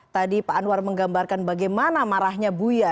tadi pak anwar menggambarkan bagaimana marahnya buya